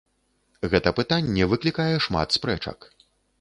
Гэта пытанне выклікае шмат спрэчак.